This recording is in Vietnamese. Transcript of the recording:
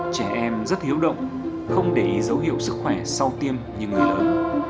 trẻ em rất hiếu động không để ý dấu hiệu sức khỏe sau tiêm như người lớn